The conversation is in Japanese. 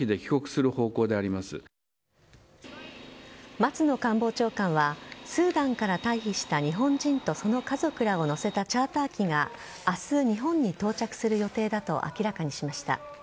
松野官房長官はスーダンから退避した日本人とその家族らを乗せたチャーター機が明日、日本に到着する予定だと明らかにしました。